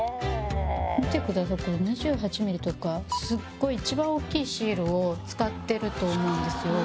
だいたいこれ２８ミリとかすっごい一番大きいシールを使ってると思うんですよ。